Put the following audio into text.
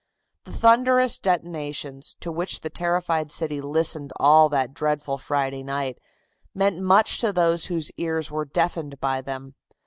The thunderous detonations, to which the terrified city listened all that dreadful Friday night, meant much to those whose ears were deafened by them.